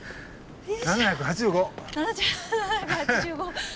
７８５。